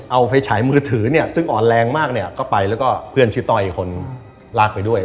เอาไฟฉายมือถือเนี่ยซึ่งอ่อนแรงมากเนี่ยก็ไปแล้วก็เพื่อนชื่อต้อยอีกคนลากไปด้วย